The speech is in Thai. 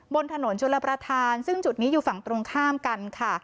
บนถนนชลประธานซึ่งจุดนี้อยู่ฝั่งตรงข้ามกันค่ะ